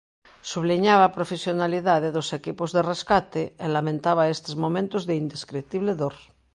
Subliñaba a profesionalidade dos equipos de rescate e lamentaba estes momentos de indescritible dor.